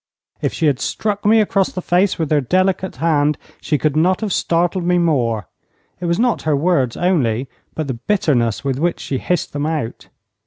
If she had struck me across the face with her delicate hand she could not have startled me more. It was not her words only, but the bitterness with which she hissed them out.